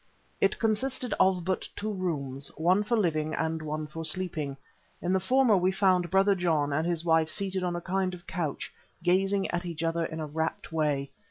It consisted of but two rooms, one for living and one for sleeping. In the former we found Brother John and his wife seated on a kind of couch gazing at each other in a rapt way.